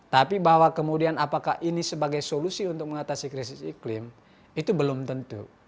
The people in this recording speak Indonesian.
tapi bahwa kemudian apakah ini sebagai solusi untuk mengatasi krisis iklim itu belum tentu